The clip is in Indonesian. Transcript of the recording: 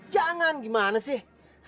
jangan gimana sih